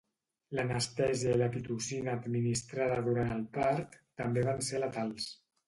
L'anestèsia i la pitocina administrada durant el part també van ser letals.